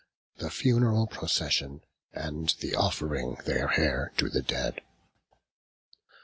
The funeral procession, and the offering their hair to the dead.